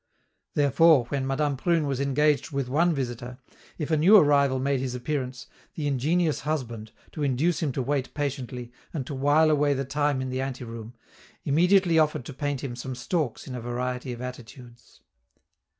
Therefore, when Madame Prune was engaged with one visitor, if a new arrival made his appearance, the ingenious husband, to induce him to wait patiently, and to wile away the time in the anteroom, immediately offered to paint him some storks in a variety of attitudes.